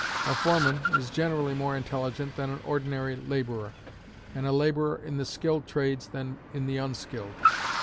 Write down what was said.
A foreman is generally more intelligent than an ordinary laborer, and a laborer in the skilled trades than in the unskilled.